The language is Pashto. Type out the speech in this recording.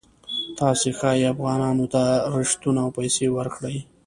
تاسې ښایي افغانانو ته رشوتونه او پیسې ورکړئ.